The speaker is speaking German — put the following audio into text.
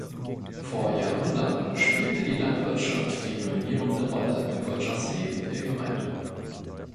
Vor Jahrhunderten spielte die Landwirtschaft die dominierende Rolle im Wirtschaftsleben der Gemeinde.